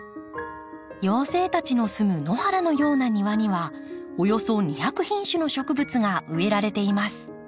妖精たちのすむ野原のような庭にはおよそ２００品種の植物が植えられています。